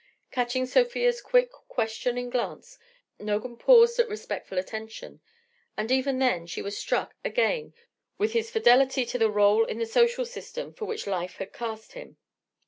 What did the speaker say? Catching Sofia's quick, questioning glance, Nogam paused at respectful attention. And, even then, she was struck again with his fidelity to the rôle in the social system for which Life had cast him.